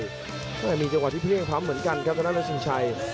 ครับไม่อยากมีเจวกว่าที่เพียงพัมธ์เหมือนกันครับทะดานเฮือร์บิ้นชิงชัย